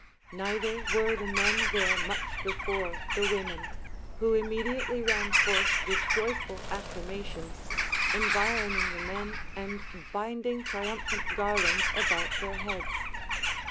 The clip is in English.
Neither were the men there much before the women, who immediately ran forth with joyful acclamations, environing the men and binding triumphant garlands about their heads.